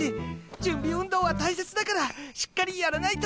準備運動は大切だからしっかりやらないと。